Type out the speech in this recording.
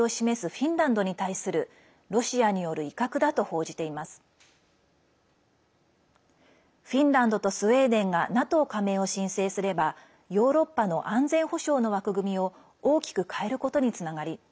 フィンランドとスウェーデンがＮＡＴＯ加盟を申請すればヨーロッパの安全保障の枠組みを大きく変えることにつながり